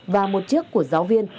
và một chiếc của giáo viên